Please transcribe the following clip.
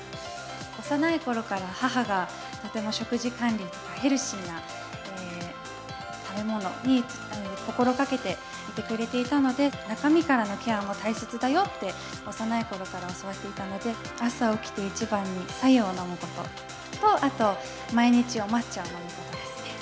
幼いころから、母がとても食事管理とか、ヘルシーな食べ物に心がけていてくれていたので、中身からのケアも大切だよって、幼いころから教わっていたので、朝起きて一番にさ湯を飲むことと、あと、お抹茶？